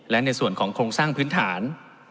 และในส่วนของโครงสร้างพื้นฐาน